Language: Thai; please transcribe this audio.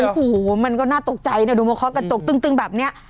โอ้โหมันก็น่าตกใจนะดูมาเคาะกระจกตึ้งแบบนี้